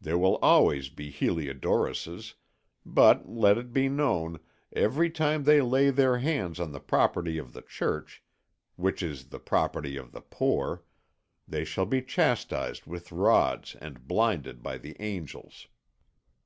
There will always be Heliodoruses, but, let it be known, every time they lay their hands on the property of the Church, which is the property of the poor, they shall be chastised with rods and blinded by the angels."